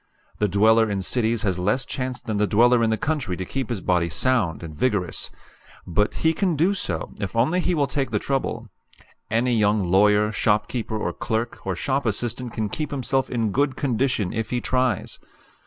The dweller in cities has less chance than the dweller in the country to keep his body sound and vigorous. But he can do so, if only he will take the trouble. Any young lawyer, shopkeeper, or clerk, or shop assistant can keep himself in good condition if he tries.